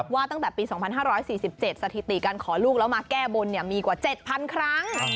ว่าตั้งแต่ปี๒๕๔๗สถิติการขอลูกแล้วมาแก้บนมีกว่า๗๐๐ครั้ง